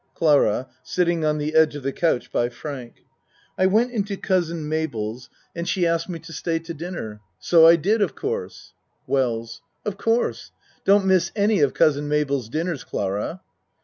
CLARA (Sitting on the edge of the couch by Frank.) I went into Cousin Mabel's and she asked 24 A MAN'S WORLD me to stay to dinner. So I did of course. WELLS Of course. Don't miss any of Cousin Mabel's dinners, Clara.